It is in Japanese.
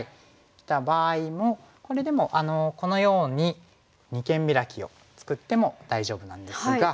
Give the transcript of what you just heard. きた場合もこれでもこのように二間ビラキを作っても大丈夫なんですが。